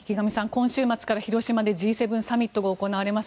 今週末から広島でＧ７サミットが開幕されます。